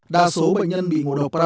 đa số bệnh nhân bị ngộ độc khó khăn